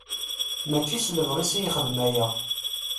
Mačči s lebɣi-s i ixeddem aya.